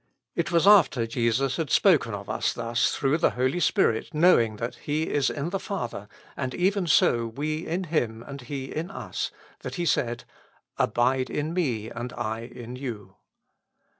It was after Jesus had spoken of us thus through the Holy Spirit knowing that He is in the Father, and even so we in Him and He in us, that He said, "Abide in me, and I in you.